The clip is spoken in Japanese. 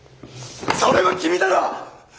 それは君だろ！